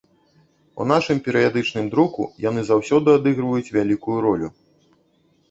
У нашым перыядычным друку яны заўсёды адыгрываюць вялікую ролю.